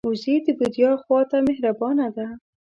وزې د بیدیا خوا ته مهربانه ده